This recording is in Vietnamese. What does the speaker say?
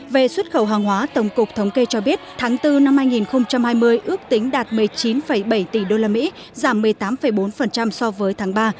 về xuất khẩu hàng hóa tổng cục thống kê cho biết tháng bốn năm hai nghìn hai mươi ước tính đạt một mươi chín bảy tỷ usd giảm một mươi tám bốn so với tháng ba